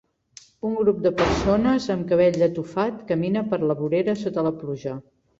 Un grup de persones amb cabell atofat camina per la vorera sota la pluja.